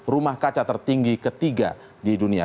rumah kaca tertinggi ketiga di dunia